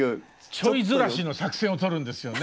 ちょいずらしの作戦をとるんですよね。